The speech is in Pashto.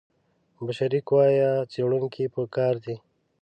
بشري قوه یا څېړونکي په کار دي.